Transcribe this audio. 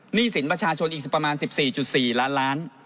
หนี้สินประชาชนอีกประมาณ๑๔๔ล้านล้าน